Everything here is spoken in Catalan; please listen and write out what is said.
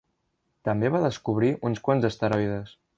També va descobrir uns quants asteroides.